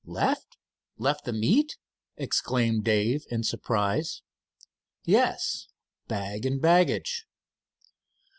"Left left the meet?" exclaimed Dave in surprise. "Yes, bag and baggage."